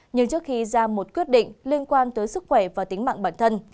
nhưng trước khi ra một quyết định liên quan tới sức khỏe và tính mạng bản thân